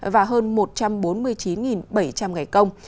và hơn một trăm bốn mươi chín bảy trăm linh ngày công